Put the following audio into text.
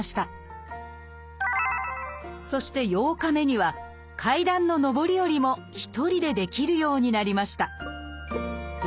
そして８日目には階段の上り下りも一人でできるようになりました。